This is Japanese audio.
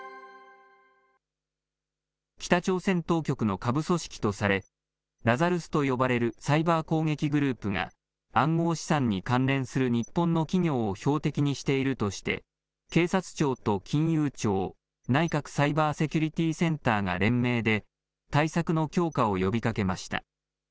北朝鮮当局の下部組織とされ、ラザルスと呼ばれるサイバー攻撃グループが、暗号資産に関連する日本の企業を標的にしているとして、警察庁と金融庁、内閣サイバーセキュリティーセンターが連名で、対策の強化を呼びかけました。